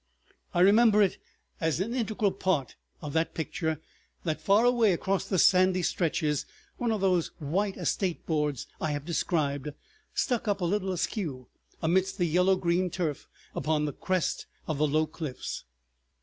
I remember it as an integral part of that picture that far away across the sandy stretches one of those white estate boards I have described, stuck up a little askew amidst the yellow green turf upon the crest of the low cliffs.